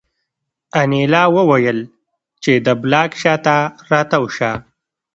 انیلا وویل چې د بلاک شا ته را تاو شه